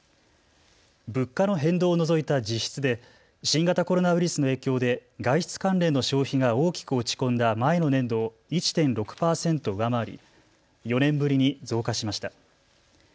物価の変動を除いた実質で新型コロナウイルスの影響で外出関連の消費が大きく落ち込んだ前の年度を１．６％上回り４年ぶりに増加しました。